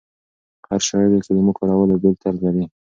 هر شاعر د کلمو کارولو بېل طرز لري.